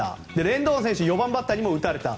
レンドン選手４番バッターにも打たれた。